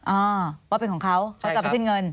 อ้าวว่าเป็นของเขาเขาจับไปที่เงิน